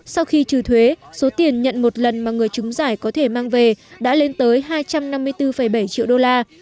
sau khi trừ thuế số tiền nhận một lần mà người chúng giải có thể mang về đã lên tới hai trăm năm mươi bốn bảy triệu đô la